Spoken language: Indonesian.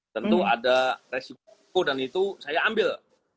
tentu ada resiko dan itu saya ambil